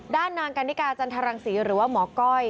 ด้านนางกันนิกาจันทรังศรีหรือว่าหมอก้อย